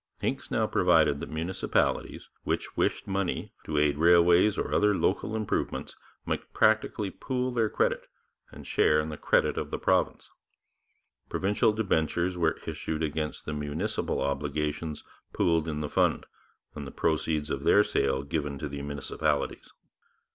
Hincks now provided that municipalities which wished money to aid railways or other local improvements might practically pool their credit and share in the credit of the province. Provincial debentures were issued against the municipal obligations pooled in the Fund, and the proceeds of their sale given to the municipalities.